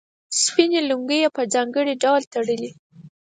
سپینې لونګۍ یې په ځانګړي ډول تړلې.